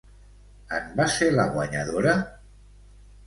En va ser la guanyadora?